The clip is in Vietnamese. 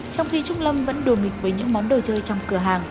trong khi trúc lâm vẫn đùa nghịch với những món đồ chơi trong cửa hàng